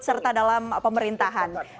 kita dalam pemerintahan